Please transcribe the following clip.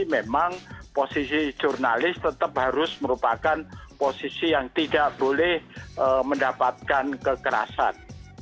memang posisi jurnalis tetap harus merupakan posisi yang tidak boleh mendapatkan kekerasan